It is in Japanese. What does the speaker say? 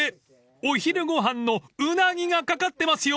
［お昼ご飯のうなぎが懸かってますよ］